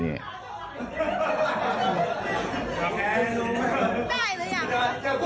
ได้หรือยัง